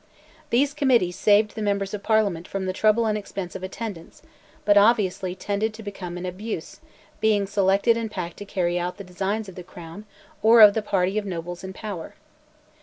These Committees saved the members of Parliament from the trouble and expense of attendance, but obviously tended to become an abuse, being selected and packed to carry out the designs of the Crown or of the party of nobles in power.